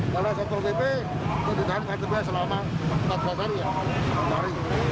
kalau satpol pp kita dihentikan ktp selama empat belas hari